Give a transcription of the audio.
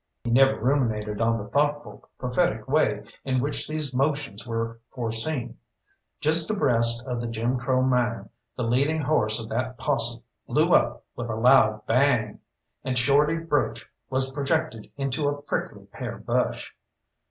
He never ruminated on the thoughtful, prophetic way in which these motions were foreseen. Just abreast of the Jim Crow Mine the leading horse of that posse blew up with a loud bang, and Shorty Broach was projected into a prickly pear bush.